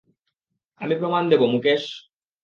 আমি প্রমাণ দেব, মুকেশ।